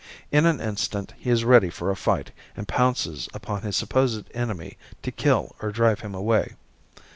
In an instant he is ready for a fight and pounces upon his supposed enemy to kill or drive him away.